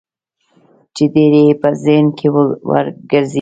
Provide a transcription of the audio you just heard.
چې ډېر يې په ذهن کې ورګرځي.